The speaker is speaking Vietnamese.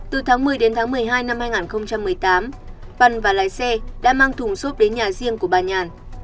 từ tháng một mươi đến tháng một mươi hai năm hai nghìn một mươi tám bằn và lái xe đã mang thùng xốp đến nhà riêng của bà nhàn